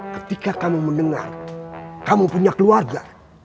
ketika kami mendengar kamu punya keluarga